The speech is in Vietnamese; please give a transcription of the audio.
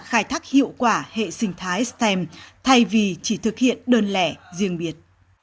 khai thác hiệu quả hệ sinh thái stem thay vì chỉ thực hiện đơn lẻ riêng biệt